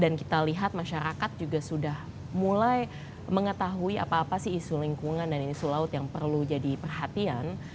dan kita lihat masyarakat juga sudah mulai mengetahui apa apa sih isu lingkungan dan isu laut yang perlu jadi perhatian